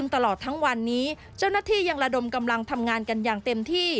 ตลอดทั้งวันนี้เจ้าหน้าที่ยังระดมกำลังทำงานกันอย่างเต็มที่